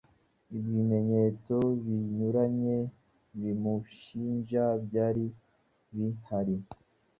ibimenyetso binyuranye bimushinja byari bihari,